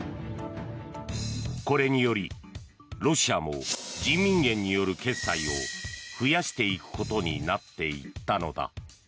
これにより、ロシアも人民元による決済を増やしていくことになっていったのだ。